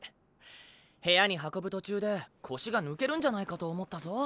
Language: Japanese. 部屋に運ぶ途中で腰が抜けるんじゃないかと思ったぞ。